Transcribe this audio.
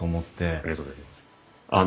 ありがとうございます。